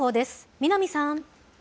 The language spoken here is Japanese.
南さん。